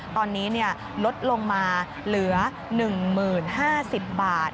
ตอนนี้ลดลงมาเหลือ๑๐๕๐บาท